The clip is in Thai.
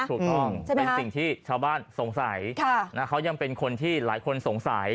ถูกต้องเป็นสิ่งที่ชาวบ้านสงสัยเขายังเป็นคนที่หลายคนสงสัย